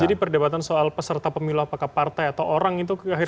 jadi perdebatan soal peserta pemilu apakah partai atau orang itu akhirnya terjawab